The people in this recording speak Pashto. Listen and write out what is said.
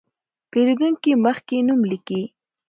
پېرېدونکي مخکې نوم لیکي.